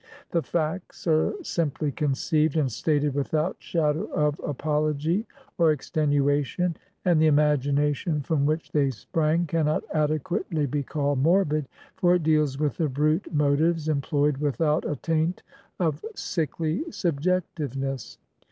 The facts are simply conceived, and stated without shadow of apology or eictenuation; and the imagination from which they sprang cannot adequately be called morbid, for it deals with the brute motives employed without a taint of sickly subjectiveness.